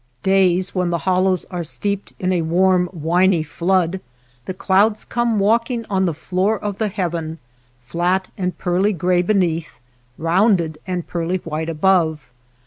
Days when the hollows are steeped in a warm, winey flood the clouds come walking on 247 NURSLINGS OF THE SKY the floor of heaven, flat and pearly gray beneath, rounded and pearly white above.